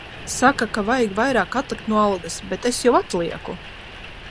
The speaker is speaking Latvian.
Saka, ka vajag vairāk atlikt no algas. Bet es jau atlieku.